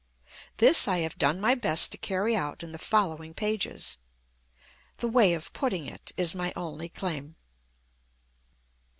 This I have done my best to carry out in the following pages. "The way of putting it" is my only claim.